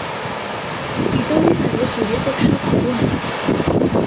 T Tauri तारे सूर्यापेक्षा तरुण आहेत.